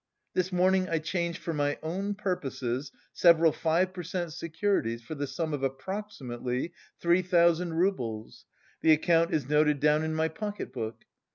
This morning I changed for my own purposes several five per cent securities for the sum of approximately three thousand roubles. The account is noted down in my pocket book.